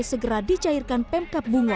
segera dicairkan pemkap bungo